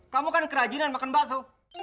kamu kan kerajinan makan bakso